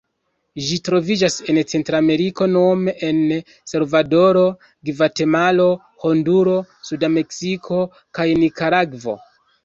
Ĝi troviĝas en Centrameriko nome en Salvadoro, Gvatemalo, Honduro, suda Meksiko kaj Nikaragvo.